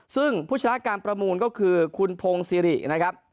ซึ่งผู้ชนะการประมูลก็คือคุณพงศิรินะครับ